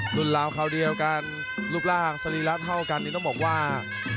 รุ่นราวคราวเดียวกันรูปร่างสรีระเท่ากันนี่ต้องบอกว่า